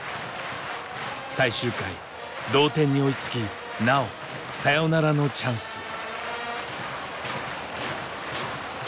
最終回同点に追いつきなおサヨナラのチャンス。